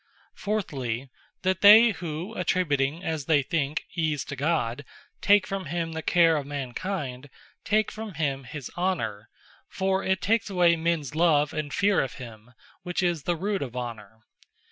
Fourthly, that they who attributing (as they think) Ease to God, take from him the care of Mankind; take from him his Honour: for it takes away mens love, and fear of him; which is the root of Honour.